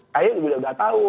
kayaknya udah tahu